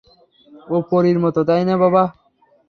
ও পরীর মতো, তাই না বাবা?